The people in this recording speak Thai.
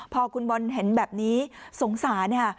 พอคุณบอลเห็นแบบนี้สงสารค่ะ